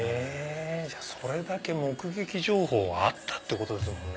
じゃあそれだけ目撃情報はあったってことですもんね？